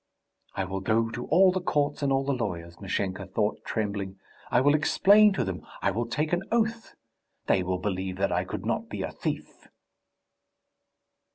"I will go to all the courts and all the lawyers," Mashenka thought, trembling. "I will explain to them, I will take an oath.... They will believe that I could not be a thief!"